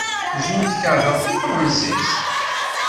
Zun tkerheḍ tanfransist?